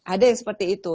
ada yang seperti itu